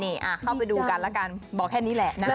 นี่เข้าไปดูกันแล้วกันบอกแค่นี้แหละนะ